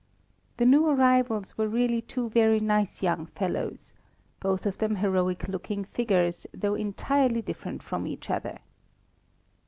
The new arrivals were really two very nice young fellows both of them heroic looking figures, though entirely different from each other.